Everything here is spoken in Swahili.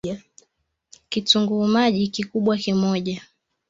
Kitunguu maji Kikubwa moja